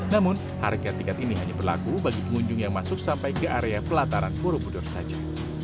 namun harga tiket ini hanya berlaku bagi pengunjung yang masuk sampai ke area pelataran borobudur saja